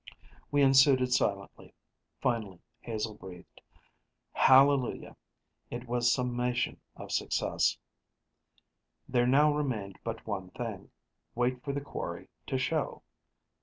We unsuited silently. Finally, Hazel breathed, "Hallelujah!" It was summation of success. There now remained but one thing: wait for the quarry to show.